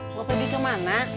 mau pergi kemana